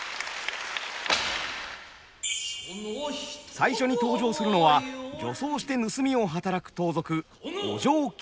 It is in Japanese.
最初に登場するのは女装して盗みを働く盗賊お嬢吉三。